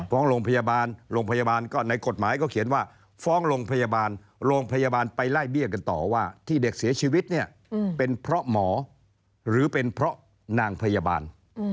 โรงพยาบาลโรงพยาบาลก็ในกฎหมายก็เขียนว่าฟ้องโรงพยาบาลโรงพยาบาลไปไล่เบี้ยกันต่อว่าที่เด็กเสียชีวิตเนี่ยเป็นเพราะหมอหรือเป็นเพราะนางพยาบาล